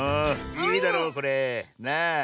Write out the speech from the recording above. いいだろこれ。なあ。